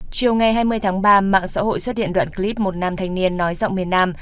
chiều ngày hai mươi tháng ba mạng xã hội xuất hiện đoạn clip một nam thanh niên nói giọng miền nam